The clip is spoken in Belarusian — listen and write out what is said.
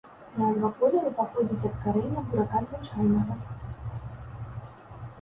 Назва колеру паходзіць ад карэння бурака звычайнага.